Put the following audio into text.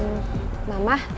mama mama kenapa berhenti